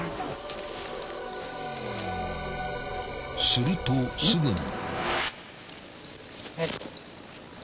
［するとすぐに］